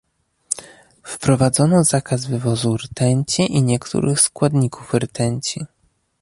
Wprowadzono zakaz wywozu rtęci i niektórych składników rtęci